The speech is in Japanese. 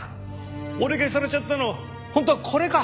俺消されちゃったの本当はこれか！